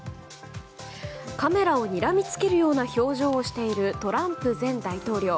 カメラをにらみつけるような表情をしているトランプ前大統領。